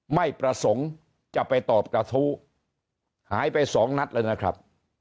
ไม่ประสงค์จะไปตอบกระทู้หายไปสองนัดเลยนะครับ